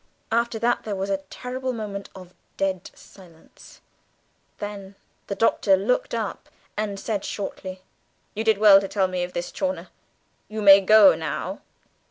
After that there was a terrible moment of dead silence; then the Doctor looked up and said shortly, "You did well to tell me of this, Chawner; you may go now."